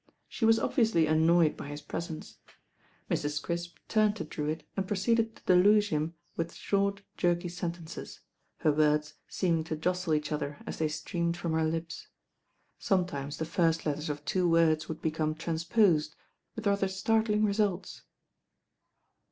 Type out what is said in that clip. She was obviously annoyed by his presence. Mrs. Crisp turned to Drewitt and proceeded to deluge him with short, jerky sentences, her words seeming to jostle each other as they streamed from her lips. Some tunes the first letters of two words would become transposed, with rather startling results.